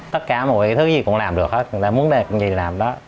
tất cả mọi thứ gì cũng làm được người ta muốn làm như vậy làm đó